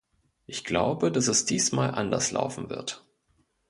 Ich glaube, dass es diesmal anders laufen wird.